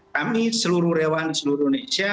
kami seluruh rewan seluruh indonesia